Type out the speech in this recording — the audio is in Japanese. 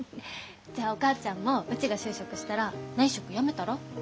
じゃあお母ちゃんもうちが就職したら内職やめたら？